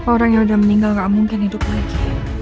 orang yang sudah meninggal gak mungkin hidup lagi